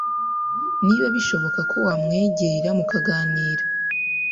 niba bishoboka ko wamwegera mukaganira